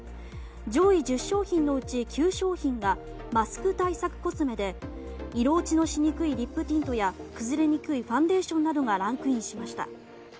上位１０商品のうち９商品がマスク対策コスメで色落ちのしにくいリップティントや崩れにくいファンデーションなどがランクインしました。